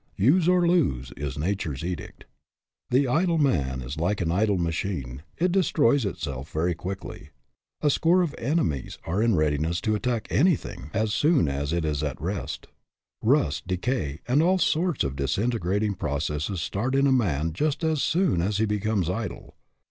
" Use or lose " is Nature's edict. The idle man is like an idle machine. It de stroys itself very quickly. A score of enemies are in readiness to attack anything as soon as DOES THE WORLD OWE YOU? 211 it is at rest. Rust, decay, and all sorts of disintegrating processes start in a man just as soon as he becomes idle.